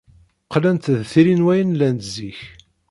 Qqlent d tili n wayen llant zik.